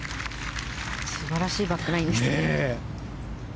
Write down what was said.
素晴らしいバックナインでしたね。